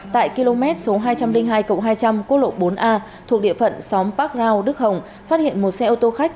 tại km số hai trăm linh hai hai trăm linh quốc lộ bốn a thuộc địa phận xóm park rao đức hồng phát hiện một xe ô tô khách